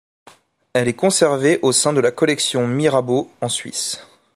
Elle est conservée au sein de la collection Mirabaud, en Suisse.